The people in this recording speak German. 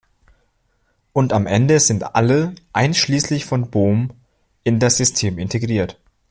Und am Ende sind alle, einschließlich von Bohm, in das System integriert.